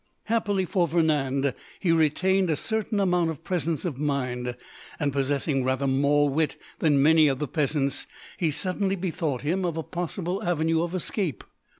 Happily for Vernand, he retained a certain amount of presence of mind, and possessing rather more wit than many of the peasants, he suddenly bethought him of a possible avenue of escape.